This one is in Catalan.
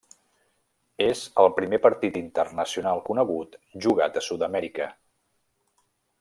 És el primer partit internacional conegut jugat a Sud-amèrica.